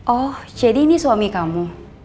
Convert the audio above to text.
oh jadi ini suami kamu